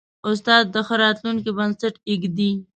استاد د ښه راتلونکي بنسټ ایږدي.